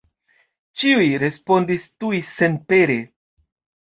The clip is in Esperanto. Ĉiuj respondis tuj senpere.